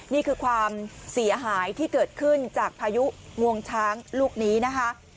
นี่คือความเสียหายที่เกิดขึ้นจากพายุงวงช้างลูกนี้นะคะ